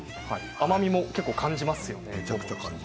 甘みも感じますよね。